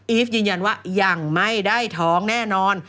ีฟยืนยันว่ายังไม่ได้ท้องแน่นอน